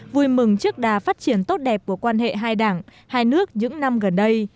vui mừng trước đà phát triển tốt đẹp của quan hệ hai đảng hai nước những năm gần đây